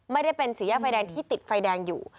ไม่ได้เป็นสี่แยกไฟแดงที่ติดไฟแดงอยู่